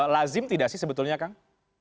lazim tidak sih sebetulnya kang